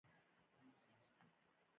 ټولنیز منزلت هم په انحصار کې راولي.